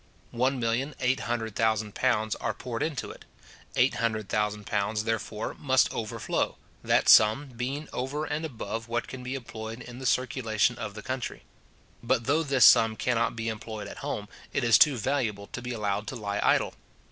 One million eight hundred thousand pounds are poured into it. Eight hundred thousand pounds, therefore, must overflow, that sum being over and above what can be employed in the circulation of the country. But though this sum cannot be employed at home, it is too valuable to be allowed to lie idle.